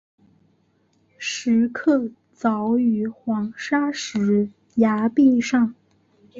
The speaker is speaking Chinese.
石刻凿于黄砂石崖壁上。